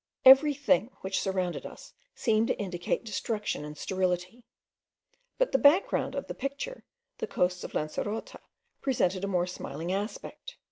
Every thing which surrounded us seemed to indicate destruction and sterility; but the back ground of the picture, the coasts of Lancerota presented a more smiling aspect.